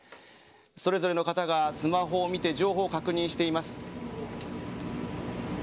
それぞれの方がスマホを見て情報を確認しています。